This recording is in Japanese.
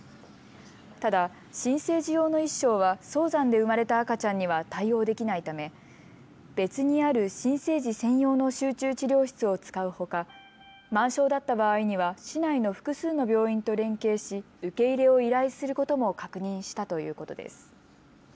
ただ新生児用の１床は早産で生まれた赤ちゃんには対応できないため別にある新生児専用の集中治療室を使うほか満床だった場合には市内の複数の病院と連携し受け入れを依頼することも確認したということです。